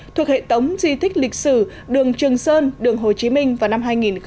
thuộc hệ thống di tích lịch sử đường trường sơn đường hồ chí minh vào năm hai nghìn một mươi năm